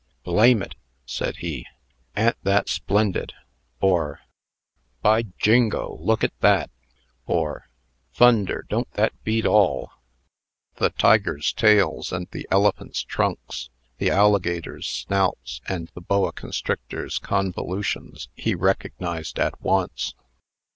"Blame it!" said he; "a'n't that splendid?" or, "By jingo! look at that!" or, "Thunder! don't that beat all?" The tigers' tails and the elephants' trunks, the alligators' snouts and the boa constrictor's convolutions, he recognized at once.